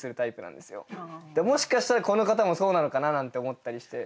もしかしたらこの方もそうなのかななんて思ったりして。